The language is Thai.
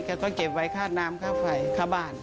ต้องเก็บไว้ค่าน้ำค่าไฟค่าบ้าน